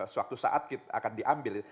sewaktu saat akan diambil